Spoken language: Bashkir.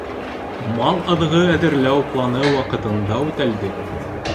Мал аҙығы әҙерләү планы ваҡытында үтәлде.